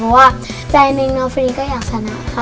เพราะว่าใจหนึ่งน้องฟรีก็อยากชนะค่ะ